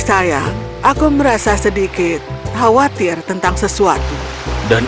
sampai jumpa di opini texted cui dancil launched suatu petikan